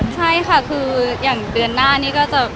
ใช่ค่ะคืออย่างเดือนหน้านี้ก็จะ